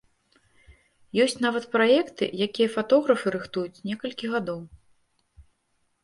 Ёсць нават праекты, якія фатографы рыхтуюць некалькі гадоў.